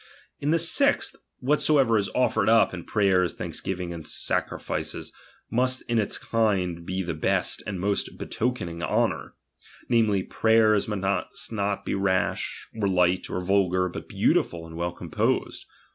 In the sixth, whatsoever is offered up in pray ers, thanksgivings, and sacrifices, must in its kind he the best and most betokening honour ; namely, jwayers must not be rash, or light, or vulgar, but beautiful, and well composed.